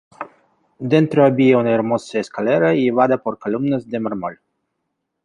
Dentro había una hermosa escalera, llevada por columnas de mármol.